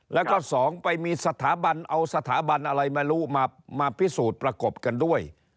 แล้วก็สองไปมีสถาบันเอาสถาบันอะไรมารู้มาพิสูจน์ประกบกันด้วย